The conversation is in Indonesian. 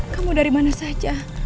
kamu dari mana saja